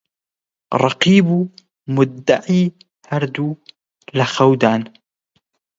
ڕەقیب و موددەعی هەردوو لە خەودان